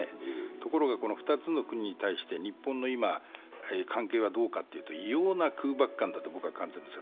ところが、この２つの国に対して日本の関係はどうかというと、異様な空ばく感だと感じているんですね。